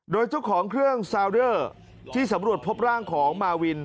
โดยเจ้าของเครื่องซาวเดอร์ที่สำรวจพบร่างของมาวิน